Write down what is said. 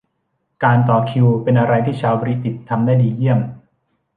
การต่อคิวเป็นอะไรที่ชาวบริติชทำได้ดีเยี่ยม